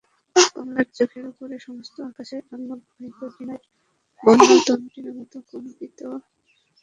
কমলার চোখের উপরে সমস্ত আকাশের আলো আহত বীণার স্বর্ণতন্ত্রীর মতো কাঁপিতে লাগিল।